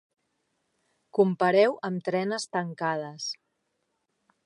Compareu amb trenes tancades.